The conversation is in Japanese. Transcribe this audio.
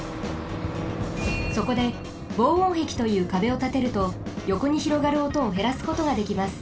そこで防音壁というかべをたてるとよこにひろがるおとをへらすことができます。